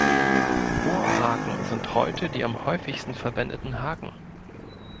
Bohrhaken sind heute die am häufigsten verwendeten Haken.